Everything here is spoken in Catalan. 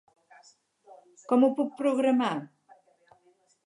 Com ho puc programar?